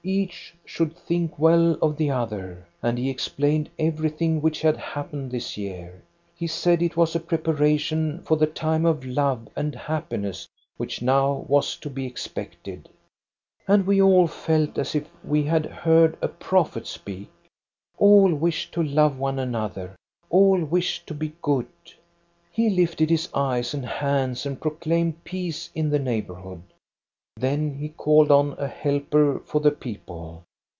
Each should think well of the other. And he explained every thing which had happened this year. He said it was a preparation for the time of love and happiness which now was to be expected. " And we all felt as if we had heard a prophet speak. All wished to love one another; all wished to be good. " He lifted his eyes and hands and proclaimed peace in the neighborhood. Then he called on a helper for the people.